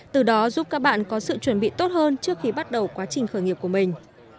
từ đó giúp các bạn có sự chuẩn bị tốt hơn trước khi bắt đầu quá trình khởi nghiệp của mình